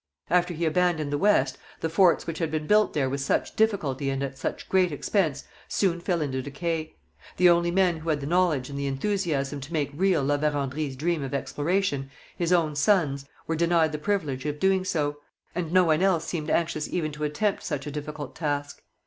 After he abandoned the West, the forts which had been built there with such difficulty and at such great expense soon fell into decay. The only men who had the knowledge and the enthusiasm to make real La Vérendrye's dream of exploration, his own sons, were denied the privilege of doing so; and no one else seemed anxious even to attempt such a difficult task.